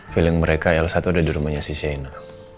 feeling mereka elsa tuh udah di rumahnya si sienna